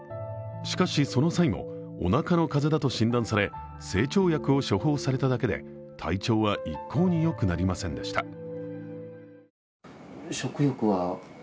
しかし、その際もおなかの風邪だと診断され、整腸薬を処方されただけで体調は一向によくなりませんでした。